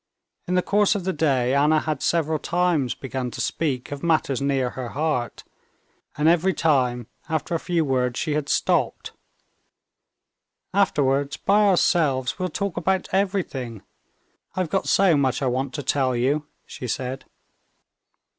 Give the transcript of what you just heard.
In the course of the day Anna had several times begun to speak of matters near her heart, and every time after a few words she had stopped: "Afterwards, by ourselves, we'll talk about everything. I've got so much I want to tell you," she said.